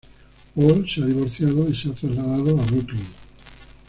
Paul se ha divorciado y se ha trasladado a Brooklyn.